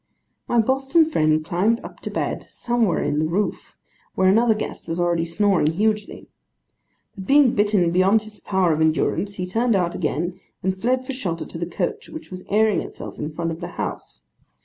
My Boston friend climbed up to bed, somewhere in the roof, where another guest was already snoring hugely. But being bitten beyond his power of endurance, he turned out again, and fled for shelter to the coach, which was airing itself in front of the house.